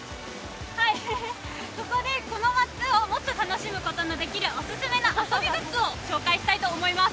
ここで、この夏をもっと楽しむことができるおすすめの遊びグッズを紹介したいと思います。